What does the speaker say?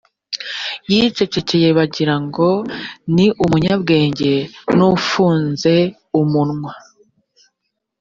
yicecekeye bagira ngo ni umunyabwenge n ufunze umunwa